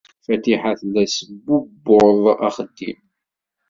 Fatiḥa tella tesbubbuḍ axeddim.